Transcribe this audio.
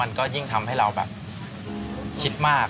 มันก็ยิ่งทำให้เราแบบคิดมาก